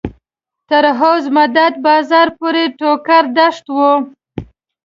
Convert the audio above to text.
تر حوض مدد بازار پورې ټوکر دښت و.